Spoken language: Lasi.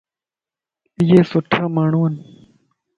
ايي سٺا ماڻھو ائين.